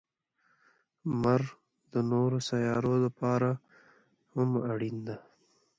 • لمر د نورو سیارونو لپاره هم اړین دی.